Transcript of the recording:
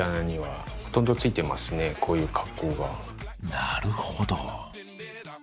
なるほど。